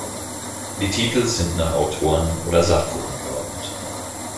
Die Titel sind nach Autoren oder Sachgruppen geordnet.